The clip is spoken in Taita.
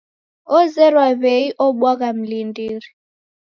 Ozerwa w'ei obwagha mlindiri.